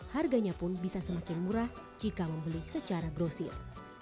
harganya pun bisa semakin murah jika membeli secara grosir